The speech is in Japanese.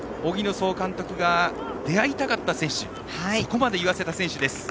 総監督が出会いたかった選手だとそこまで言わせた選手です。